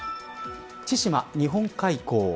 千島・日本海溝。